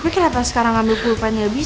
gue pikir apa sekarang ambil pelupan gak bisa